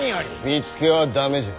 見附は駄目じゃ。